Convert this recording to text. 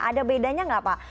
ada bedanya nggak pak